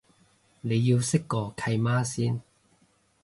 你要識個契媽先